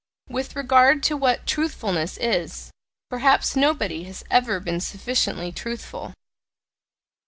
With regard to what "truthfulness" is, perhaps nobody has ever been sufficiently truthful.